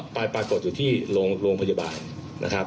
ปรากฏอยู่ที่โรงพยาบาลนะครับ